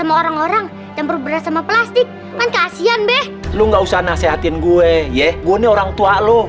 barang yang berberat sama plastik kan kasihan deh lu nggak usah nasehatin gue ya gue orang tua lu